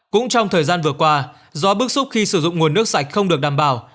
cũng trong thời gian vừa qua do bức xúc khi sử dụng nguồn nước sạch không được đảm bảo